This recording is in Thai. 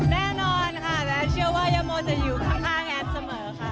แน่นอนค่ะแอฟเชื่อว่ายาโมจะอยู่ข้างแอฟเสมอค่ะ